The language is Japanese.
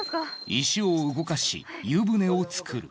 石を動かし湯船を作る。